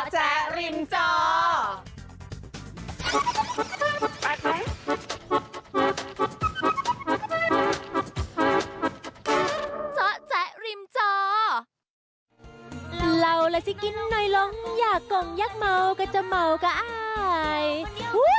เจ้าแจ๊ะริมจอวันนี้